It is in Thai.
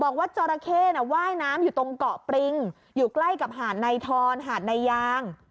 จราเข้น่ะว่ายน้ำอยู่ตรงเกาะปริงอยู่ใกล้กับหาดในทอนหาดนายาง